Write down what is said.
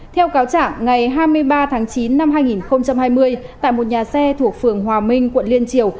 theo cáo trả ngày hai mươi ba tháng chín năm hai nghìn hai mươi tại một nhà xe thuộc phường hòa minh quận liên triều